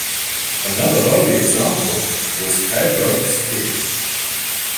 Another early example was Faubourg Ste.